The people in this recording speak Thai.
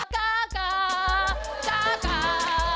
ก๊าก๊าก๊าก๊า